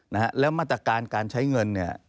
นะฮะแล้วมาตรการการใช้เงินเนี่ย